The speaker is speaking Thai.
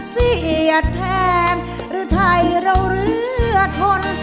เสียแทงหรือไทยเราเหลือทน